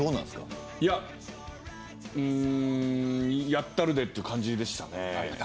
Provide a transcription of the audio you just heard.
やったるでという感じでした。